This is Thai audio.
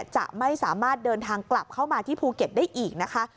จะไม่สามารถเดินทางกลับเข้ามาที่ภูเก็ตได้อีกนะคะ